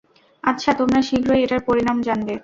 আচ্ছা, তোমরা শীঘ্রই এটার পরিণাম জানবে।